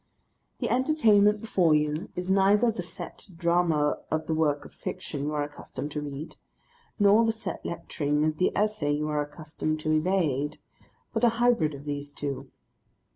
The entertainment before you is neither the set drama of the work of fiction you are accustomed to read, nor the set lecturing of the essay you are accustomed to evade, but a hybrid of these two.